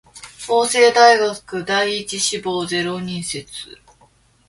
法政大学第一志望ゼロ人説